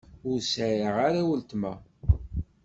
Ur sɛiɣ ara weltma.